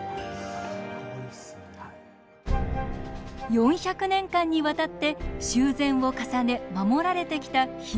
４００年間にわたって修繕を重ね守られてきた姫路城。